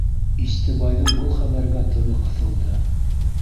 Истебайҙың был хәбәргә тыны ҡыҫылды.